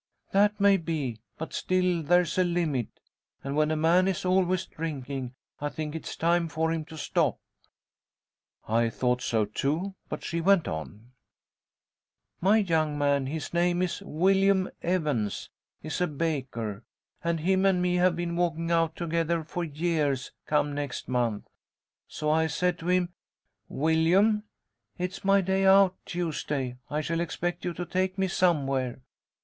"That may be, but still there is a limit, and when a man is always drinking, I think it's time for him to stop." I thought so too, but she went on: "My young man, his name is Willyum Evans, is a baker, and him and me have been walking out together four years come next month. So I said to him, 'Willyum, it's my day out, Tuesday. I shall expect you to take me somewhere.'